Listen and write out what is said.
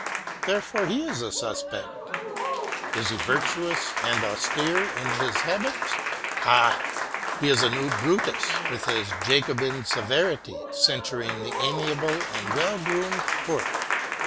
Therefore he is a suspect. Is he virtuous and austere in his habits ? Ah! he is a new Brutus with his Jacobin severity, censuring the amiable and well groomed court.